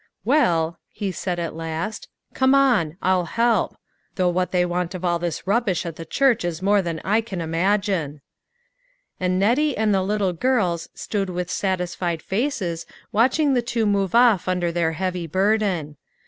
" Well," he said at last, " come on, I'll help ; though what they want of all this rubbish at the church is more than I can imagine." And Nettie and the little girls stood with satisfied faces watching the two move off under their heavy burden.